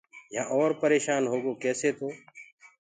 يهآن اورَ پريشآن هوگو ڪيسي تو